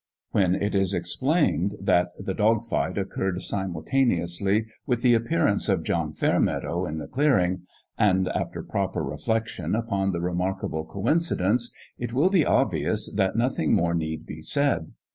When it is explained that the dog fight occurred simul taneously with the appearance of John Fair meadow in the clearing and after proper reflec tion upon the remarkable coincidence it will be obvious that nothing more need be said.